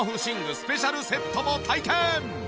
スペシャルセットを体験！